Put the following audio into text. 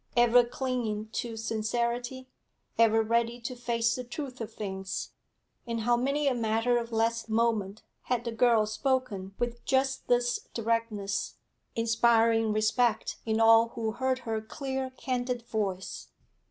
Ever clinging to sincerity, ever ready to face the truth of things, in how many a matter of less moment had the girl spoken with just this directness, inspiring respect in all who heard her clear, candid voice.